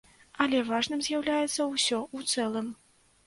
Але важным з'яўляецца ўсё ў цэлым.